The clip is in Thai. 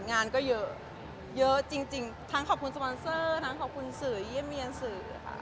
งานก็เยอะทั้งขอบคุณสปอนเซอร์ด้วยเยื่อมเยนสื่อ